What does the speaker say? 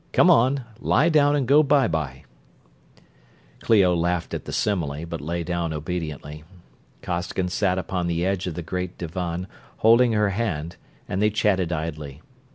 Come on; lie down and go bye bye." Clio laughed at the simile, but lay down obediently. Costigan sat upon the edge of the great divan, holding her hand, and they chatted idly.